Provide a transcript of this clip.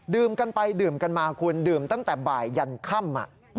กันไปดื่มกันมาคุณดื่มตั้งแต่บ่ายยันค่ำ